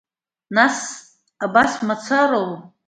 Нас, абас мацароу?!